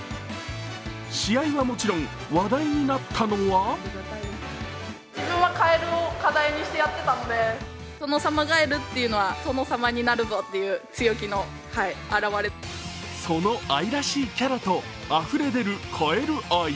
試合はもちろん話題になったのはその愛らしいキャラとあふれ出るカエル愛。